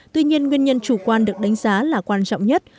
tuy nhiên nguyên nhân chủ quan được đánh giá là quan trọng nhất